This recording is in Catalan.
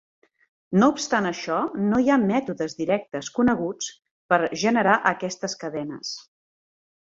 No obstant això, no hi ha mètodes directes coneguts per generar aquestes cadenes.